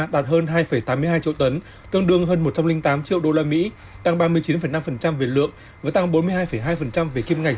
đạt hơn hai tám mươi hai triệu tấn tương đương hơn một trăm linh tám triệu usd tăng ba mươi chín năm về lượng và tăng bốn mươi hai hai về kim ngạch